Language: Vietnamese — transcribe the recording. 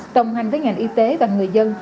tồng hành với ngành y tế và người dân